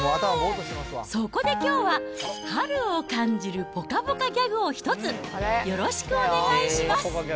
そこできょうは、春を感じるぽかぽかギャグを一つ、よろしくお願いします。